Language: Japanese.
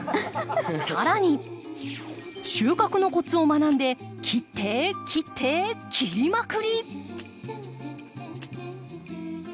更に収穫のコツを学んで切って切って切りまくり！